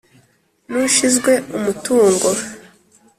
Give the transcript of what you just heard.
nushizwe umutungo.